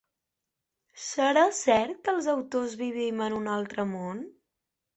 ¿Serà cert que els autors vivim en un altre món?